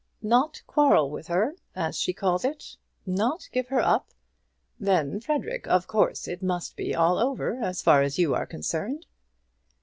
Not quarrel with her, as she calls it! Not give her up! Then, Frederic, of course it must be all over, as far as you are concerned."